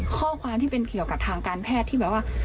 ข้อความที่เป็นเกี่ยวกับทางการแพทย์ที่แบบว่า